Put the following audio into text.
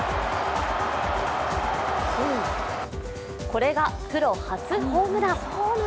これがプロ初ホームラン。